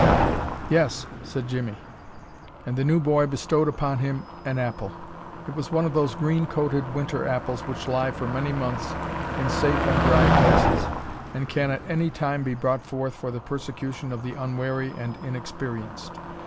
"Yes," said Jimmie, and the new boy bestowed upon him an apple. It was one of those green coated winter apples which lie for many months in safe and dry places, and can at any time be brought forth for the persecution of the unwary and inexperienced.